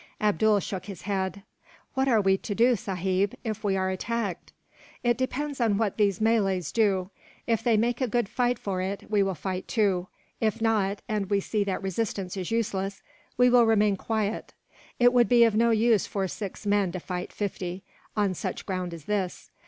Abdool shook his head. "What are we to do, sahib, if we are attacked?" "It depends on what these Malays do. If they make a good fight for it, we will fight, too; if not, and we see that resistance is useless, we will remain quiet. It would be of no use for six men to fight fifty, on such ground as this.